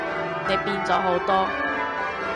你變咗好多